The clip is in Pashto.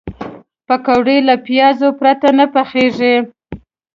پکورې له پیازو پرته نه پخېږي